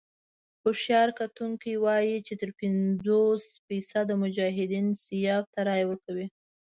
هوښیار کتونکي وايي چې تر پينځوس فيصده مجاهدين سیاف ته رايه ورکوي.